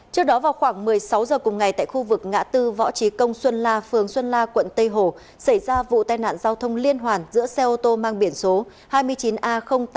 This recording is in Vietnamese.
trước đó vào khoảng một mươi sáu h cùng ngày tại khu vực ngã tư võ trí công xuân la phường xuân la quận tây hồ xảy ra vụ tai nạn giao thông liên hoàn giữa xe ô tô mang biển số hai mươi chín a tám nghìn ba trăm một mươi hai